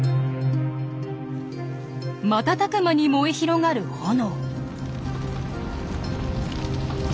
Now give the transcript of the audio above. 瞬く間に燃え広がる炎。